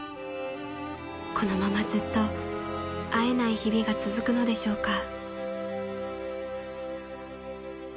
［このままずっと会えない日々が続くのでしょうか？］